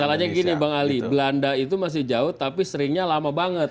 masalahnya gini bang ali belanda itu masih jauh tapi seringnya lama banget